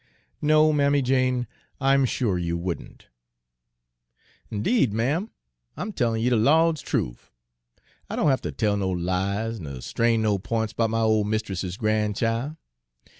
"No, Mammy Jane, I'm sure you wouldn't." "'Deed, ma'am, I'm tellin' you de Lawd's truf. I don' haf ter tell no lies ner strain no p'ints 'bout my ole mist'ess's gran'chile.